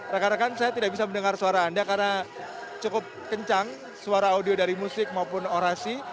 rekan rekan saya tidak bisa mendengar suara anda karena cukup kencang suara audio dari musik maupun orasi